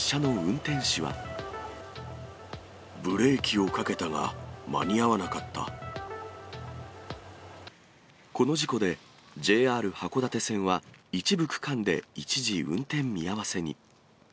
ブレーキをかけたが間に合わこの事故でＪＲ函館線は、一部区間で一時運転見合わせに。